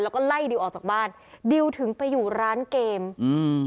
แล้วก็ไล่ดิวออกจากบ้านดิวถึงไปอยู่ร้านเกมอืม